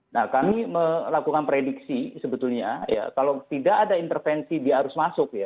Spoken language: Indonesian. nah kami melakukan prediksi sebetulnya ya kalau tidak ada intervensi dia harus masuk ya